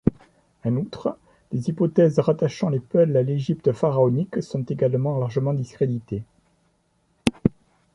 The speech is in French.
En outre, les hypothèses rattachant les Peuls à l’Égypte pharaonique sont également largement discréditées.